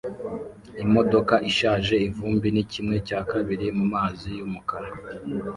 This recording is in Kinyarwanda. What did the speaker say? Imodoka ishaje ivumbi ni kimwe cya kabiri mumazi yumukara